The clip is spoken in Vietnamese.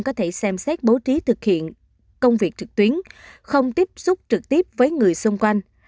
có thể xem xét bố trí thực hiện công việc trực tuyến không tiếp xúc trực tiếp với người xung quanh